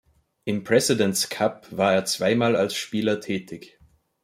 Im Presidents Cup war er zweimal als Spieler tätig.